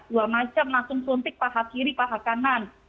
dua macam langsung suntik paha kiri paha kanan